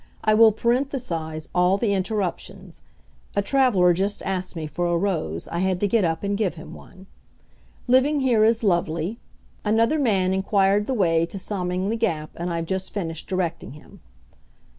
I will parenthesize all the interruptions. (A traveller just asked me for a rose. I had to get up and give him one.) Living here is lovely. (Another man inquired the way to Somingley Gap, and I've just finished directing him.)